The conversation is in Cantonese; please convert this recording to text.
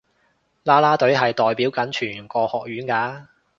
啦啦隊係代表緊全個學院㗎